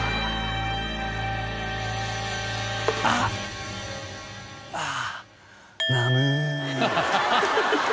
あっ！ああ。